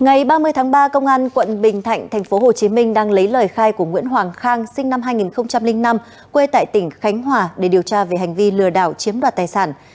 ngày ba mươi tháng ba công an quận bình thạnh thành phố hồ chí minh đang lấy lời khai của nguyễn hoàng khang sinh năm hai nghìn năm quê tại tỉnh khánh hòa để điều tra về hành vi lừa đảo chiếm đoạt tài sản